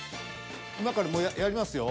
今からもうやりますよ。